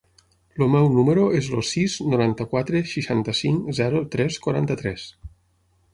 El meu número es el sis, noranta-quatre, seixanta-cinc, zero, tres, quaranta-tres.